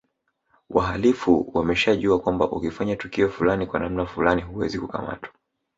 Wahalifu wameshajua kwamba ukifanya tukio fulani kwa namna fulani huwezi kukamatwa